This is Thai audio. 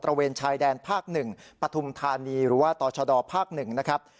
เวนชายแดนภาค๑ปฐุมธานีหรือว่าต่อชดภาค๑นะครับ